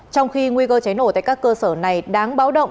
trong khi nguy cơ cháy nổ tại các cơ sở này đáng báo động